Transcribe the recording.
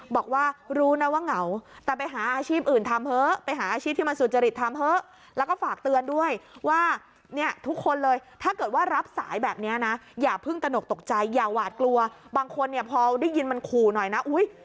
บางคนเนี้ยพอได้ยินมันคู๋หน่อยน่ะอุ๊ย